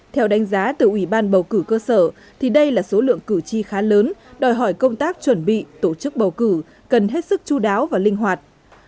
theo đánh giá từ ủy ban bầu cử cơ sở thì đây là số lượng cử tri khá lớn đòi hỏi công tác chuẩn bị tổ chức bầu cử cần hết sức chú đáo và linh hoạt